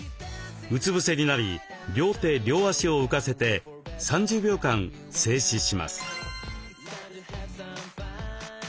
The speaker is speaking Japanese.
うつ伏せになり両手両足を浮かせて３０秒間静止します。